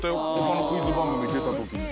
他のクイズ番組出た時に。